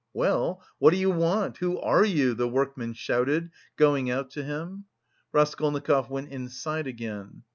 "Well, what do you want? Who are you?" the workman shouted, going out to him. Raskolnikov went inside again.